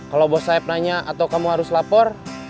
kalau bos saeb nanya atau kamu harus lapor